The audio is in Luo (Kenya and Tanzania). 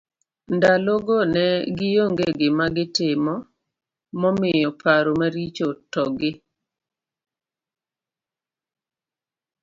Ndalo go ne gionge gima gitimo momiyo paro maricho to gi